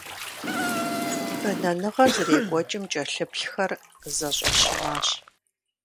Бэнэныгъэр зэрекӀуэкӀым кӀэлъыплъхэр зэщӀэщымащ.